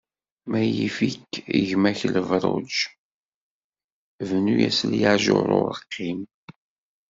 Ma yif-ik gma-k lebṛuj, bnu s lyajuṛ urqim.